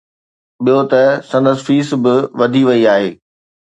ٻيو ته سندن فيس به وڌي وئي آهي.